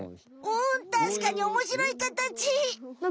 うんたしかにおもしろい形！